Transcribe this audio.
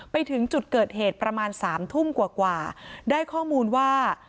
ไปถึงจุดเกิดเหตุประมาณสามทุ่มกว่าได้ข้อมูลว่า